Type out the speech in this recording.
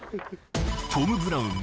「トム・ブラウン」